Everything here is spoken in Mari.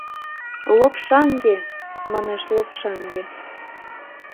— «Лопшаҥге!» — манеш Лопшаҥге.